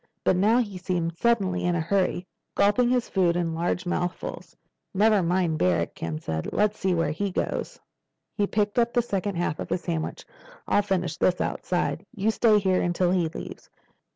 But now he seemed suddenly in a hurry, gulping his food in large mouthfuls. "Never mind Barrack," Ken said. "Let's see where he goes." He picked up the second half of his sandwich. "I'll finish this outside. You stay here until he leaves."